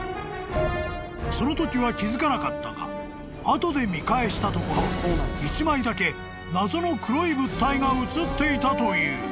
［そのときは気付かなかったが後で見返したところ１枚だけ謎の黒い物体が写っていたという］